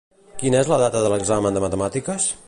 Quina és la data de l'examen de matemàtiques?